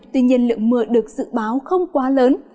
tuy nhiên lượng mưa được dự báo không quá lớn